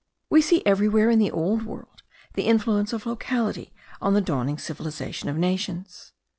We see everywhere in the old world the influence of locality on the dawning civilization of nations.